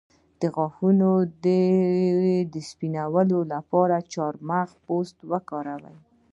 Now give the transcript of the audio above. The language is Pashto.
د غاښونو سپینولو لپاره د چارمغز پوستکی وکاروئ